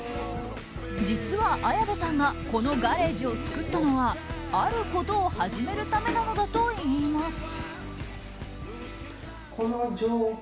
実は、綾部さんがこのガレージを作ったのはあることを始めるためなのだといいます。